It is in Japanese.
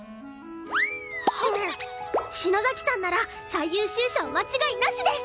篠崎さんなら最優秀賞間違いなしです！